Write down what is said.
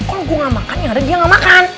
kalau gue gak makan yang ada dia nggak makan